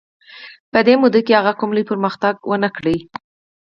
په دې موده کې هغه کوم لوی پرمختګ ونه کړ.